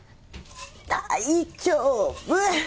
大丈夫。